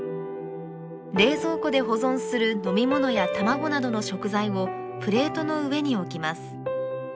冷蔵庫で保存する飲み物や卵などの食材をプレートの上に置きます。